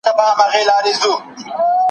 هغه کتاب چي ما اخیستی و اوس درسره نسته.